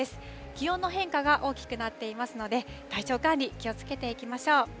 気温の変化が大きくなっていますので、体調管理、気をつけていきましょう。